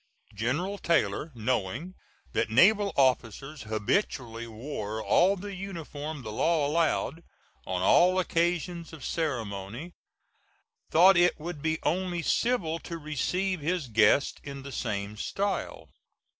General Taylor, knowing that naval officers habitually wore all the uniform the "law allowed" on all occasions of ceremony, thought it would be only civil to receive his guest in the same style.